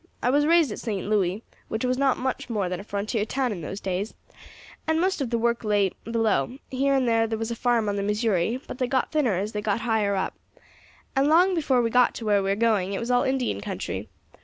I was raised at St. Louis, which was not much more than a frontier town in those days, and most of the work lay below; here and there there was a farm on the Missouri, but they got thinner as they got higher up, and long before we got to where we are going it was all Indian country.